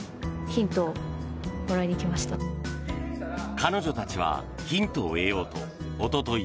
彼女たちはヒントを得ようとおととい